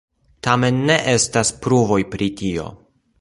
Tamen ne estas pruvoj pri tio.